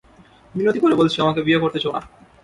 মিনতি করে বলছি, আমাকে বিয়ে করতে চেয়ো না।